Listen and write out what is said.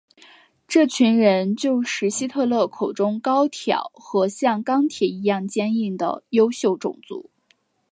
这群人就是希特勒口中高挑和像钢铁一样坚硬的优秀种族。